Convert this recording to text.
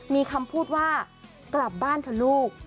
มีคำพูดว่ากลับบ้านเถอะลูก